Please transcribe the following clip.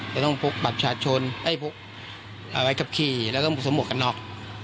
จะต้องพกบับชาติชนเอาไว้ขับขี่แล้วก็สมบัติกับนอก